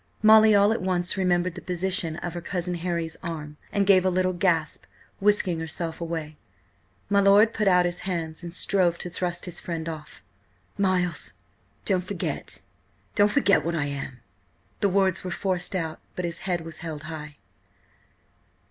Molly all at once remembered the position of her "Cousin Harry's" arm, and gave a little gasp, whisking herself away. My lord put out his hands and strove to thrust his friend off. "Miles, don't forget–don't forget–what I am!" The words were forced out, but his head was held high.